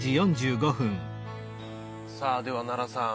さあでは奈良さん